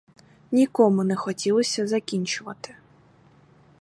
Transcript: Нікому не хотілося закінчувати.